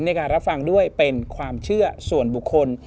ในการรับฟังด้วยเป็นความเชื่อส่วนบุคคล